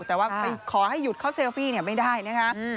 แต่ว่าไปขอให้หยุดเขาเซลฟี่ไม่ได้นะคะ